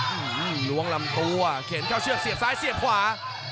ล้วงลำตัวเข็นเข้าเชือกเสียบซ้ายเสียบขวา